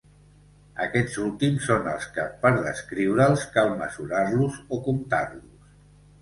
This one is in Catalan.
Aquests últims són els que, per descriure'ls, cal mesurar-los o comptar-los.